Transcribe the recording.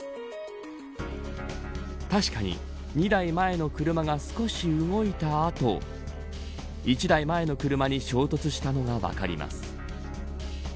確かに、２台前の車が少し動いた後１台前の車に衝突したのが分かります。